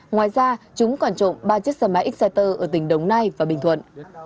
ngoài ra chúng còn trộm ba chiếc xe máy exciter ở tỉnh đồng nai và bình thuận